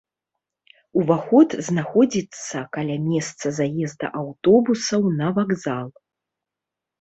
Уваход знаходзіцца каля месца заезду аўтобусаў на вакзал.